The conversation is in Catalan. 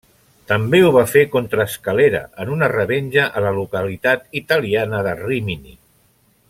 També ho va fer contra Escalera en una revenja a la localitat italiana de Rímini.